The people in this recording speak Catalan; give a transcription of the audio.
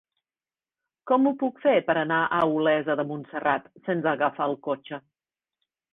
Com ho puc fer per anar a Olesa de Montserrat sense agafar el cotxe?